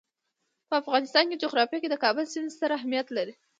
د افغانستان جغرافیه کې د کابل سیند ستر اهمیت لري.